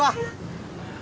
gak ketau gue